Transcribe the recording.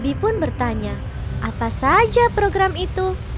bi pun bertanya apa saja program itu